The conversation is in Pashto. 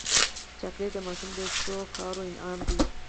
چاکلېټ د ماشوم د ښو کار انعام دی.